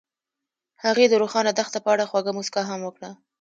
هغې د روښانه دښته په اړه خوږه موسکا هم وکړه.